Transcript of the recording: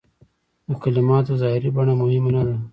د کلماتو ظاهري بڼه مهمه نه ده.